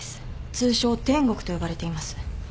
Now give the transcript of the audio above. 通称テンゴクと呼ばれています。